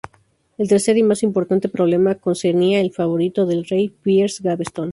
El tercer y más importante problema concernía al favorito del rey, Piers Gaveston.